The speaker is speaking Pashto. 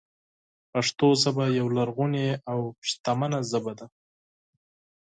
پښتو ژبه یوه لرغونې او شتمنه ژبه ده.